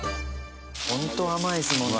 ホント甘いですもんね。